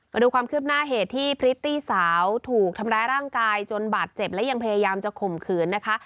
มาดูความคืบหน้าเหตุที่พริตตี้สาวถูกทำร้ายร่างกายจนบาดเจ็บและยังพยายามจะข่มขืนนะคะ